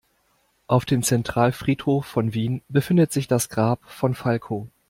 Auf dem Zentralfriedhof von Wien befindet sich das Grab von Falco.